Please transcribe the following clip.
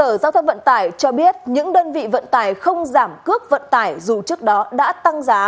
sở giao thông vận tải cho biết những đơn vị vận tải không giảm cước vận tải dù trước đó đã tăng giá